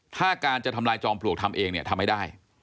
ถ้าการจะทำลายจอมปลวกทำเองทำให้ได้